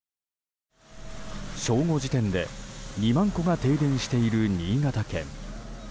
正午時点で２万戸が停電している新潟県。